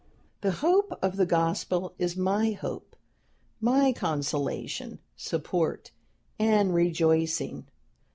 "The hope of the gospel is my hope, my consolation, support and rejoicing.